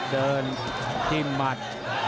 เดินทิมหมัด